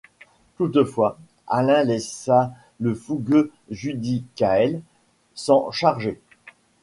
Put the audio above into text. Toutefois, Alain laissa le fougueux Judicaël s'en charger.